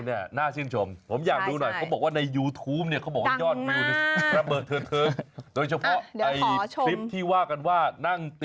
ไม่ยอมรับพี่หยินแกมุกเยี่ยมจริงจริง